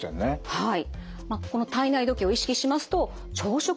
はい。